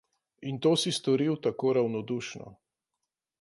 In to si storil tako ravnodušno.